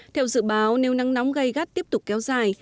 theo dự báo nếu nắng nóng gây gắt tiếp tục kéo dài